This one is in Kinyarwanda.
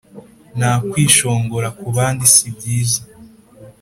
nta kwishongora kubandi sibyiza